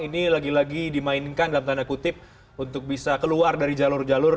ini lagi lagi dimainkan dalam tanda kutip untuk bisa keluar dari jalur jalur